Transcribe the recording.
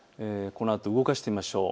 このあと動かしてみましょう。